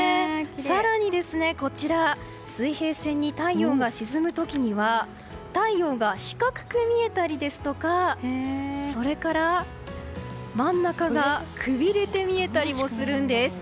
更にこちら水平線に太陽が沈む時には太陽が四角く見えたりそれから、真ん中がくびれて見えたりもするんです。